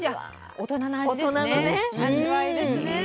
大人のね味わいですね。